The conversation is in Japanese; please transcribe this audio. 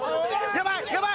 やばい！